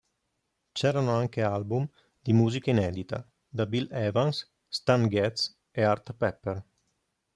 C'erano anche album di musica inedita da Bill Evans, Stan Getz e Art Pepper.